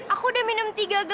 aku udah minum tiga gelas